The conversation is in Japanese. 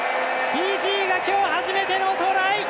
フィジーが今日初めてのトライ！